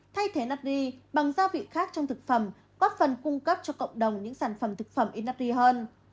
thay thế nắc ri bằng gia vị khác trong thực phẩm góp phần cung cấp cho cộng đồng những sản phẩm thực phẩm ít nắc ri hơn